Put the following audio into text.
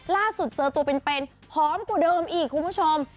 ล่าสุดเจอตัวเป็นพร้อมกว่าเดิมอีกคุณผู้ชม